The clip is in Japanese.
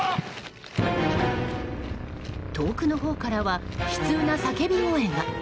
遠くのほうからは悲痛な叫び声が。